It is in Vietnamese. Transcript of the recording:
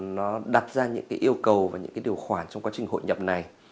nó đặt ra những yêu cầu và những điều khoản trong quá trình hội nhập này